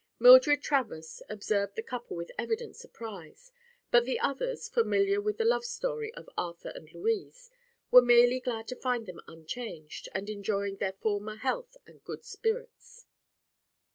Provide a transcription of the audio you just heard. Mildred Travers observed the couple with evident surprise; but the others, familiar with the love story of Arthur and Louise, were merely glad to find them unchanged and enjoying their former health and good spirits.